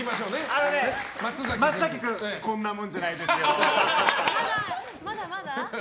あのね、松崎君こんなもんじゃないですよ。